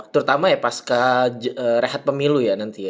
terutama ya pasca rehat pemilu ya nanti ya